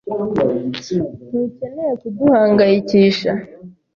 Ntukeneye kuduhangayikisha.